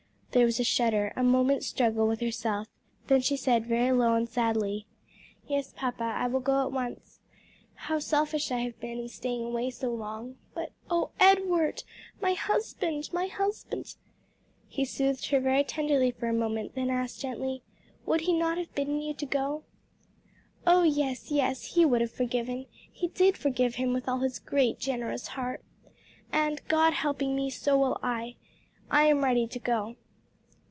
There was a shudder, a moment's struggle with herself; then she said, very low and sadly, "Yes, papa, I will go at once. How selfish I have been in staying away so long. But O Edward! my husband, my husband!" He soothed her very tenderly for a moment, then asked gently, "Would he not have bidden you go?" "Oh, yes, yes: he would have forgiven, he did forgive him with all his great, generous heart. And, God helping me, so will I. I am ready to go."